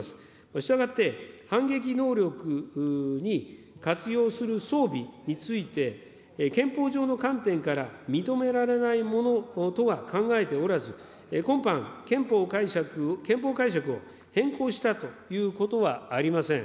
したがって反撃能力に活用する装備について、憲法上の観点から、認められないものとは考えておらず、今般、憲法解釈を変更したということはありません。